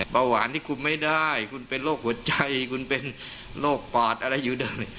เบาหวานที่คุมไม่ได้คุณเป็นโรคหัวใจคุณเป็นโรคปอดอะไรอยู่ได้